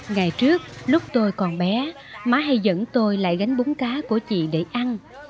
ngày trước lúc tôi còn bé má hay dẫn tôi lại gánh búng cá của chị để ăn